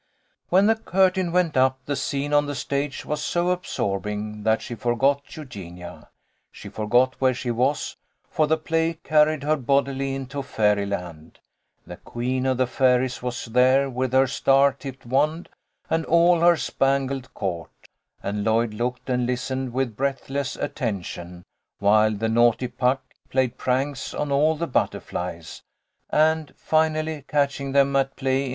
When the curtain went up the scene on the stage was so absorbing that she forgot Eugenia. She for got where she was, for the play carried her bodily into fairy land. The queen of the fairies was there with her star tipped wand and all her spangled court, and Lloyd looked and listened with breathless atten tion, while the naughty Puck played pranks on all the butterflies, and, finally catching them at play in 1 84 THE LITTLE COLONEL'S HOLIDAYS.